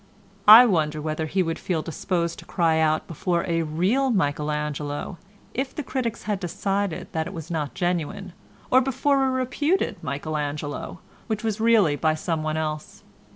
I wonder whether he would feel disposed to cry out before a real Michael Angelo, if the critics had decided that it was not genuine, or before a reputed Michael Angelo which was really by someone else.